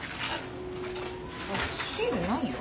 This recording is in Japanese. これシールないよ。